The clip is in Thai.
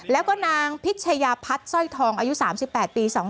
แล้วก็นางพิชยาพัฒน์สร้อยทองอายุ๓๘ปี